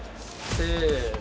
せの。